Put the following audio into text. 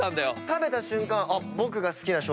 食べた瞬間。